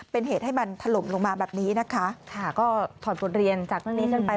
เป็นเหตุให้มันถล่มลงมาแบบนี้นะคะค่ะก็ถอดบทเรียนจากเรื่องนี้ขึ้นไป